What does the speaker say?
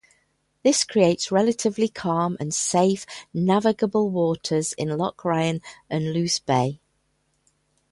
This creates relatively calm and safe navigable waters in Loch Ryan and Luce Bay.